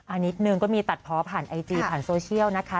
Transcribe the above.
อันนี้หนึ่งก็มีตัดเพาะผ่านไอจีผ่านโซเชียลนะคะ